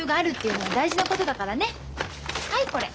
はいこれ。